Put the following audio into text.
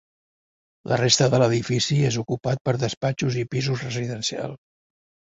La resta de l'edifici és ocupat per despatxos i pisos residencials.